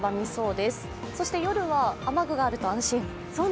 夜は雨具があると安心。